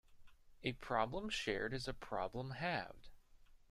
A problem shared is a problem halved.